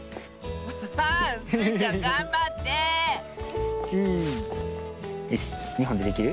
アハハースイちゃんがんばってよし２ほんでできる？